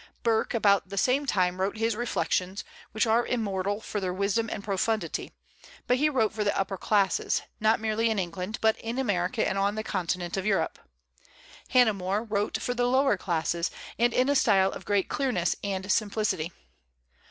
Burke about the same time wrote his "Reflections," which are immortal for their wisdom and profundity; but he wrote for the upper classes, not merely in England, but in America and on the continent of Europe. Hannah More wrote for the lower classes, and in a style of great clearness and simplicity.